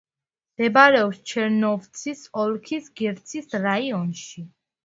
მდებარეობს ჩერნოვცის ოლქის გერცის რაიონში.